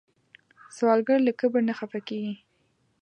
سوالګر له کبر نه خفه کېږي